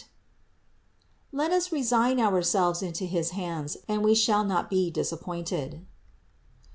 Let us resign ourselves into his hands and we shall not be disappointed."